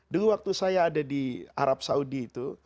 dulu waktu saya ada di arab saudi itu